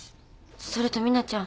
それとミナちゃん。